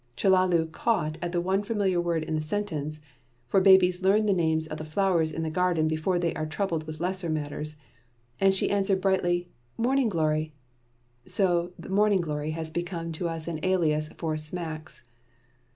Chellalu caught at the one familiar word in this sentence (for the babies learn the names of the flowers in the garden before they are troubled with lesser matters), and she answered brightly: "Morning glory!" So Morning glory has become to us an alias for smacks.